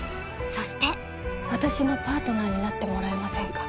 そして私のパートナーになってもらえませんか